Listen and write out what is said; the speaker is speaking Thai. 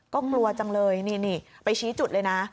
ก็กลัวจังเลยนี่ไปชี้จุดเลยนะ